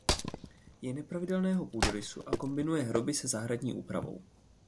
Je nepravidelného půdorysu a kombinuje hroby se zahradní úpravou.